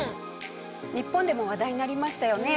日本でも話題になりましたよね。